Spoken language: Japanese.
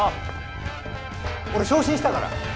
俺昇進したから。